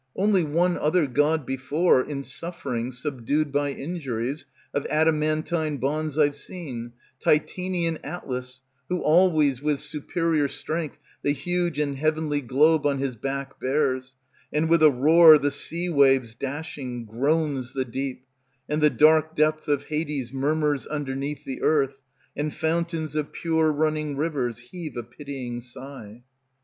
Only one other god before, in sufferings Subdued by injuries Of adamantine bonds, I've seen, Titanian Atlas, who always with superior strength The huge and heavenly globe On his back bears; And with a roar the sea waves Dashing, groans the deep, And the dark depth of Hades murmurs underneath The earth, and fountains of pure running rivers Heave a pitying sigh.